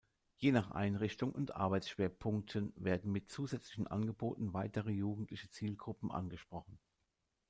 Je nach Einrichtung und Arbeitsschwerpunkten werden mit zusätzlichen Angeboten weitere jugendliche Zielgruppen angesprochen.